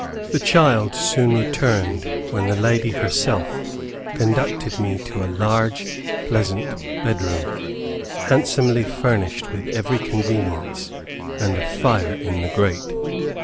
The child soon returned, when the lady herself conducted me to a large, pleasant bed room, handsomely furnished with every convenience, and a fire in the grate.